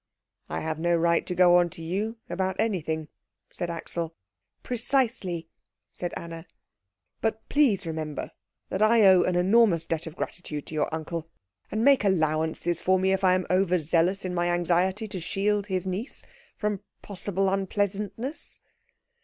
"I have no right to go on to you about anything," said Axel. "Precisely," said Anna. "But please remember that I owe an enormous debt of gratitude to your uncle, and make allowances for me if I am over zealous in my anxiety to shield his niece from possible unpleasantness."